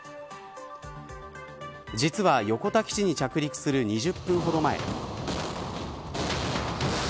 実は横田基地に着陸する２０分ほど前。